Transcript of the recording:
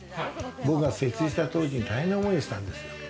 僕が設立した当時、大変な思いをしたんですよ。